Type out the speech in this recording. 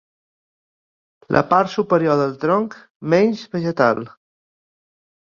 La part superior del tronc menys vegetal.